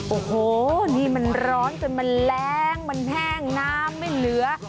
โอ้โหนี่มันร้อนจนมันแรงมันแห้งน้ำไม่เหลือ